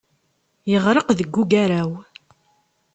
Yeɣreq deg ugaraw.